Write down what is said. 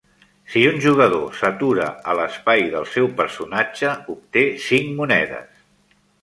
Si un jugador s'atura a l'espai del seu personatge, obté cinc monedes.